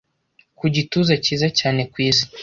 ku gituza cyiza cyane ku isi